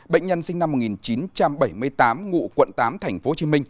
bệnh nhân sinh năm một nghìn chín trăm bảy mươi tám ngụ quận tám tp hcm